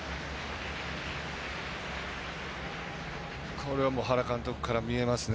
これは原監督から見えますね。